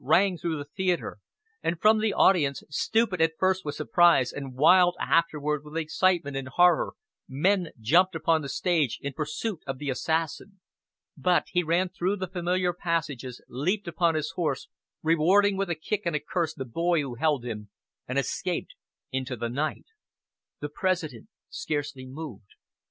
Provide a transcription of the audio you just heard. rang through the theatre, and from the audience, stupid at first with surprise, and wild afterward with excitement and horror, men jumped upon the stage in pursuit of the assassin. But he ran through the familiar passages, leaped upon his horse, rewarding with a kick and a curse the boy who held him, and escaped into the night. The President scarcely moved.